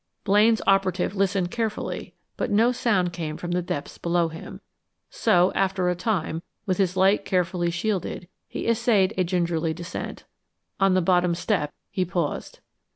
Blaine's operative listened carefully but no sound came from the depths below him; so after a time, with his light carefully shielded, he essayed a gingerly descent. On the bottom step he paused.